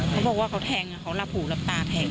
เขาบอกว่าเขาแทงอ่ะเขารับหูรับตาแทง